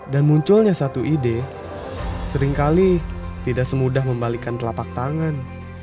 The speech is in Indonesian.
dan munculnya satu ide seringkali tidak semudah membalikkan telapak tangan